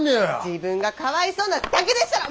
自分がかわいそうなだけでっしゃろ！